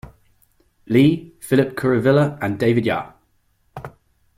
Lee, Philip Kuruvilla and David Yah.